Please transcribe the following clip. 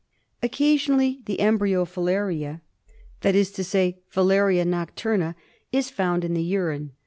Occasionally the embryo filaria — that is to say Filaria noctuma — is found in the urine.